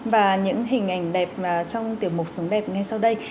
và những hình ảnh đẹp trong tiểu mục sống đẹp ngay sau đây